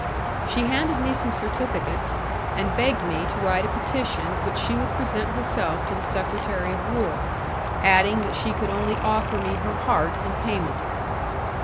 She handed me some certificates, and begged me to write a petition which she would present herself to the secretary of war, adding that she could only offer me her heart in payment.